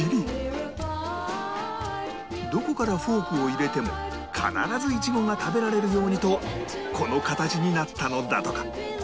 どこからフォークを入れても必ずイチゴが食べられるようにとこの形になったのだとか